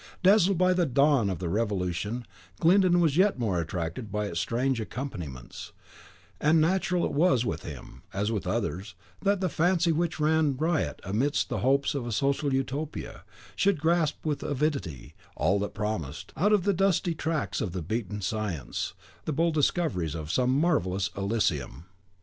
Dazzled by the dawn of the Revolution, Glyndon was yet more attracted by its strange accompaniments; and natural it was with him, as with others, that the fancy which ran riot amidst the hopes of a social Utopia, should grasp with avidity all that promised, out of the dusty tracks of the beaten science, the bold discoveries of some marvellous Elysium.